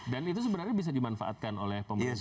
dan itu sebenarnya bisa dimanfaatkan oleh pemerintah